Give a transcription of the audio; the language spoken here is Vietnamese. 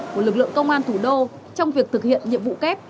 của lực lượng công an thủ đô trong việc thực hiện nhiệm vụ kép